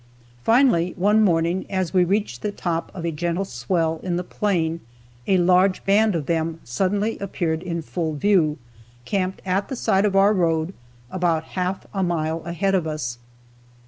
Finally one morning as we reached the top of a gentle swell in the plain, a large band of them suddenly appeared in full view, camped at the side of our road about half a mile ahead of us.